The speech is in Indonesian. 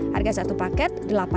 harga satu paket